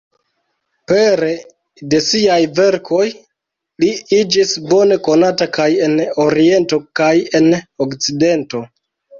Pere de siaj verkoj, li iĝis bone konata kaj en Oriento kaj en Okcidento.